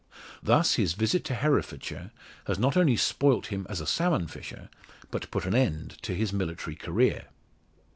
Thus his visit to Herefordshire has not only spoilt him as a salmon fisher, but put an end to his military career.